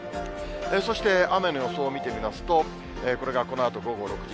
そして、雨の予想を見てみますと、これがこのあと午後６時。